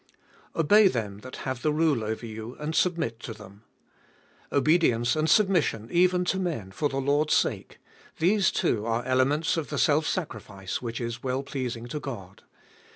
Obey them that have the rule over you, and submit to them. Obedience and submission, even to men, for the Lord's sake ; these, too, are elements of the self sacrifice, which is well pleasing to God.